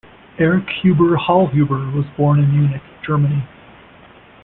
Erich Huber Hallhuber was born in Munich, Germany.